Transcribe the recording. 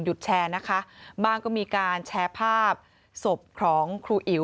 แชร์นะคะบ้างก็มีการแชร์ภาพศพของครูอิ๋ว